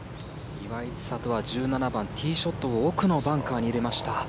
岩井千怜は１７番ティーショットを奥のバンカーに入れました。